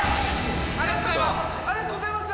ありがとうございます！